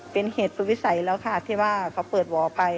เป็นเหตุสุภิใสแล้วที่เขาเปิดหว่อไป